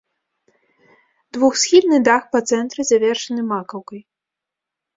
Двухсхільны дах па цэнтры завершаны макаўкай.